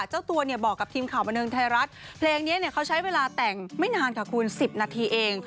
เจ้าตัวเนี่ยบอกกับทีมข่าวบันเทิงไทยรัฐเพลงนี้เขาใช้เวลาแต่งไม่นานค่ะคุณ๑๐นาทีเอง